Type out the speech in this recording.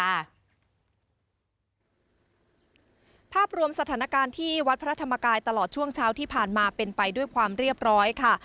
ภาพรวมสถานการณ์ที่วัดพระธรรมกายตลอดช่วงเช้าที่ผ่านมาเป็นไปด้วยความเรียบร้อยค่ะ